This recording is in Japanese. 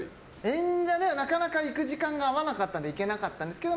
演者ではなかなか行く時間が合わなかったので行けなかったんですけど